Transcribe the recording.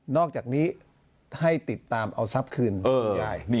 นอกจากนี้ให้ติดตามเอาทรัพย์ขืนอย่างใหญ่